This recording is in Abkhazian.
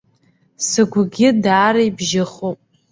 Сыгәгьы даара ибжьыхуп.